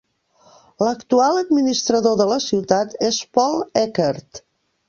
L'actual administrador de la ciutat és Paul Eckert.